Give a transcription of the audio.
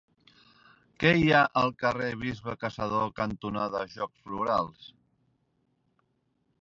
Què hi ha al carrer Bisbe Caçador cantonada Jocs Florals?